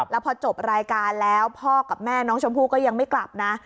แล้วพอจบรายการแล้วพ่อกับแม่น้องชมพู่ก็ยังไม่กลับนะ